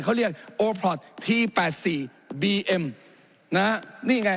เขาเรียกโอพลอตทีแปดสี่บีเอ็มนะฮะนี่ไง